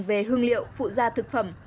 về hương liệu phụ gia thực phẩm